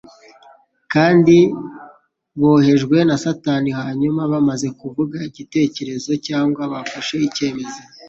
kandi bohejwe na Satani. Hanyuma bamaze kuvuga igitekerezo cyangwa bafashe icyemezo,